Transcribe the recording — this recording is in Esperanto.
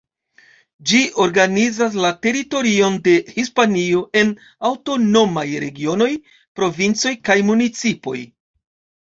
Ĝi organizas la teritorion de Hispanio en aŭtonomaj regionoj, provincoj kaj municipoj.